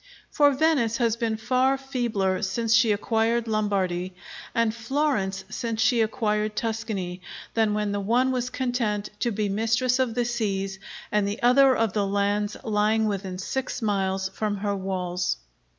For Venice has been far feebler since she acquired Lombardy, and Florence since she acquired Tuscany, than when the one was content to be mistress of the seas, and the other of the lands lying within six miles from her walls.